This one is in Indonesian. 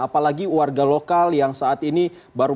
apalagi warga lokal yang saat ini baru